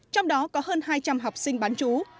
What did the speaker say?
trong đó có hơn hai trăm linh học sinh bán chú